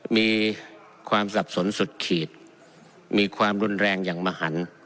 มีความสับสนสุดขีดมีความรุนแรงอย่างมหัน